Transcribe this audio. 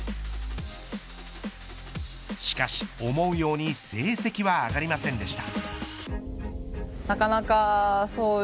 しかし思うように成績は上がりませんでした。